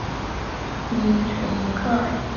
你将扮演一位名为「旅行者」的神秘角色。